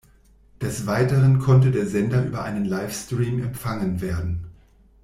Des Weiteren konnte der Sender über einen Livestream empfangen werden.